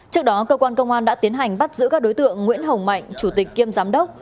trước đó cơ quan công an đã tiến hành bắt giữ các đối tượng nguyễn hồng mạnh chủ tịch kiêm giám đốc